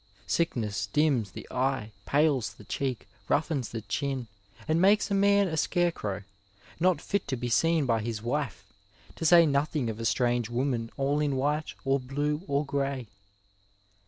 Sickness dims the eye, pales the cheek, roughens the chin, and makes a man a scarecrow, not fit to be seen by his wife, to say nothing of a strange woman all in white or blue or gray.